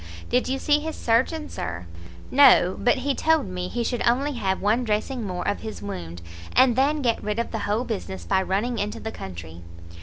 "Did you see his surgeon, Sir?" "No; but he told me he should only have one dressing more of his wound, and then get rid of the whole business by running into the country."